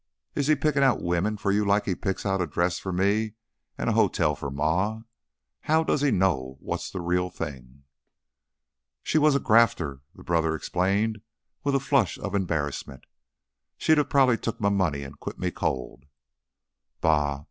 Is he pickin' out women for you like he picks out a dress for me and a hotel for Ma? How does he know what's the real thing?" "She was a grafter," the brother explained, with a flush of embarrassment. "She'd of probably took my money an' quit me cold." "Bah!"